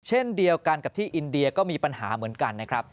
เช่นเดียวกันกับที่อินเดียก็มีปัญหาเหมือนกันนะครับ